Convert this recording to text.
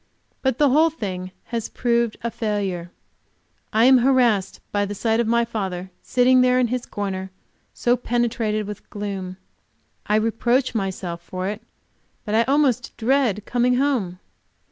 But the whole thing has proved a failure. I am harassed by the sight of my father, sitting there in his corner so penetrated with gloom; I reproach myself for it, but I almost dread coming home.